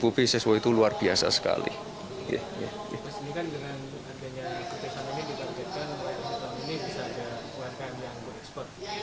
ini kan dengan harganya kepesanannya ditargetkan ini bisa ada umkm yang bereksport